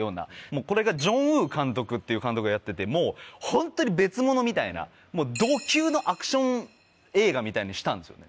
これがジョン・ウー監督っていう監督がやっててもうホントに別物みたいなド級のアクション映画みたいにしたんですよね。